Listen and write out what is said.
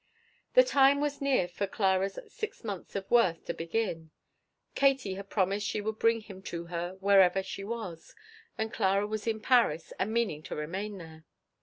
The time was near for Clara's six months of Worth to begin. Katie had promised she would bring him to her wherever she was; and Clara was in Paris and meaning to remain there.